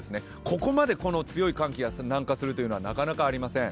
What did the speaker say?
ここまでこの強い寒気が南下することはなかなかありません。